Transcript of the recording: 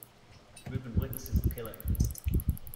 Reuben witnesses the killing.